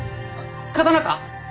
刀か？